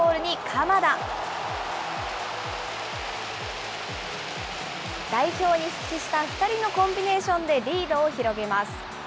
代表に復帰した２人のコンビネーションでリードを広げます。